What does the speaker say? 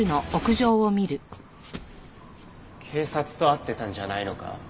警察と会ってたんじゃないのか？